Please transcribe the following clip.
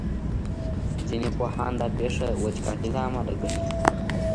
ځینې پوهان دا پېښه وچکالۍ له امله ګڼي.